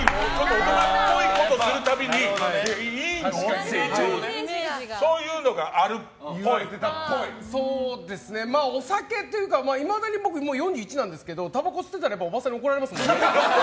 大人っぽいことをする度にいいの？ってお酒というかいまだに僕４１なんですけどたばこ吸ってたらおばさんに怒られますもんね。